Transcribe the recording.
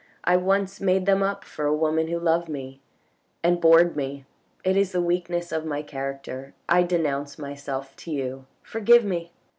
I once made them up for a woman who loved me, and bored me — it is the weakness of my character. I denounce myself to you, forgive me."